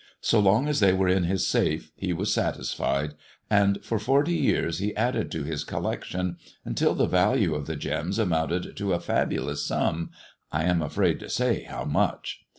So long as they were in his safe, he was satisfied ; and for forty years he added to his collection, until the value of the gems amounted to a fabulous sum — T am afraid to say how much.